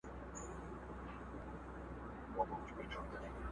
نن یې په ساحل کي د توپان حماسه ولیکه!